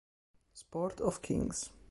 Sport of Kings